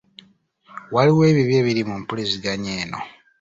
Waliwo ebibi ebiri mu mpuliziganya eno.